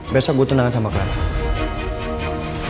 besok gue tundangan sama clara